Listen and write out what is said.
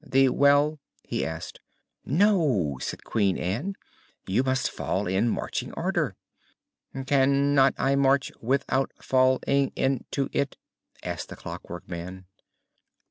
The well?" he asked. "No," said Queen Ann, "you must fall in marching order." "Can not I march without fall ing in to it?" asked the Clockwork Man.